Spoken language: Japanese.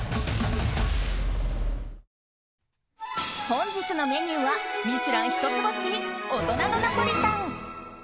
本日のメニューは「ミシュラン」一つ星大人のナポリタン。